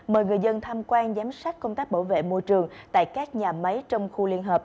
mời người dân tham quan giám sát công tác bảo vệ môi trường tại các nhà máy trong khu liên hợp